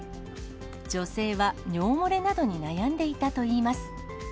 女性は尿もれなどに悩んでいたといいます。